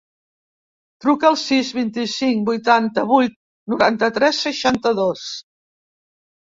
Truca al sis, vint-i-cinc, vuitanta-vuit, noranta-tres, seixanta-dos.